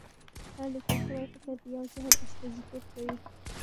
هر لیکل شوی فکر د یو ذهن استازیتوب کوي.